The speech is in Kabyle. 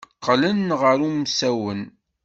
Qqlen ɣer umsawen.